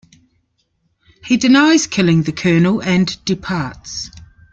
He denies killing the Colonel, and departs.